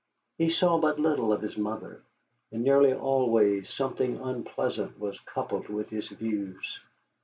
He saw but little of his mother, and nearly always something unpleasant was coupled with his views.